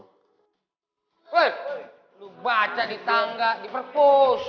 woi lo baca di tangga di perpus